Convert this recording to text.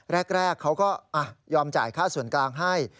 แรกเขาก็ยอมจ่ายค่าส่วนกลางให้